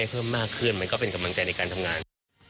เพิ่มมากขึ้นมันก็เป็นกำลังใจในการทำงาน